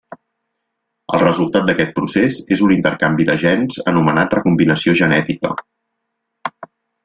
El resultat d'aquest procés és un intercanvi de gens, anomenat recombinació genètica.